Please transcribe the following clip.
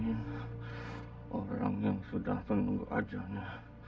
orang orang yang sudah menunggu ajanya